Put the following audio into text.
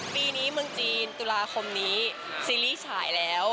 ปีนี้เมืองจีนตุลาคมนี้ซีรีส์ฉายแล้ว